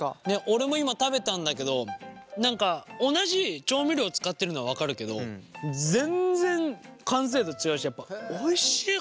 俺も今食べたんだけど何か同じ調味料使ってるのは分かるけど全然完成度違うしやっぱおいしい！